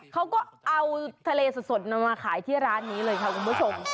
เขาก็เอาทะเลสดมาขายที่ร้านนี้เลยค่ะคุณผู้ชม